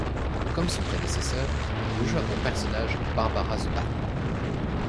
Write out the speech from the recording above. Comme son prédécesseur, le jeu a pour personnage Barbara the Bat.